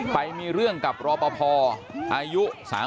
ไปมีเรื่องกับรอปภอายุ๓๐